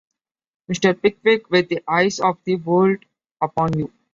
Mr. Pickwick, with the eyes of the world upon you!